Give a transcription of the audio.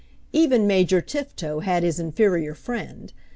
Even Major Tifto had his inferior friend.